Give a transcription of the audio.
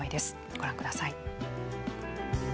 ご覧ください。